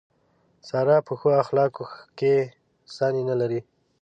ساره په ښو اخلاقو کې ثاني نه لري.